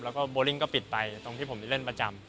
แล้วก็โบลิ่งก็ปิดไปตรงที่ผมได้เล่นประจำ